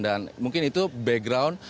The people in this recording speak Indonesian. dan mungkin itu background